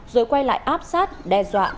rồi quay lại áp sát đe dọa